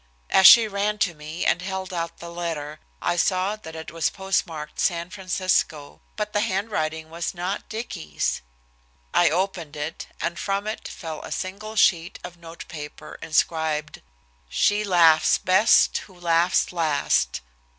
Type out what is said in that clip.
As she ran to me, and held out the letter, I saw that it was postmarked San Francisco! But the handwriting was not Dicky's. I opened it, and from it fell a single sheet of notepaper inscribed: "She laughs best who laughs last.